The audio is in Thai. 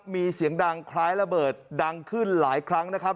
มีเสียงดังคล้ายระเบิดดังขึ้นหลายครั้งนะครับ